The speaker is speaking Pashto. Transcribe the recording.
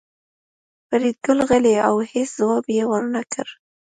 فریدګل غلی و او هېڅ ځواب یې ورنکړ